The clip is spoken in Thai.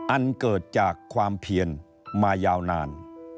อันเกิดจากความเพียนมายาวนาน